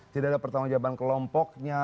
tidak ada pertanggung jawaban kelompoknya